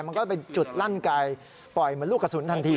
มันก็เป็นจุดลั่นไกลปล่อยเหมือนลูกกระสุนทันที